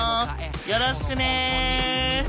よろしくね！